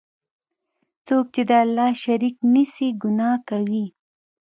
څوک چی د الله شریک نیسي، ګناه کوي.